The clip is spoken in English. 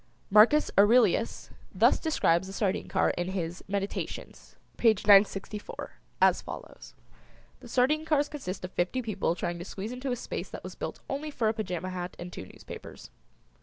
Marcus Aurelius thus describes the sardine car in his "Meditations" see page 946 as follows: The sardine cars consist of fifty people trying to squeeze into a space that was built only for a Pajama hat and two newspapers.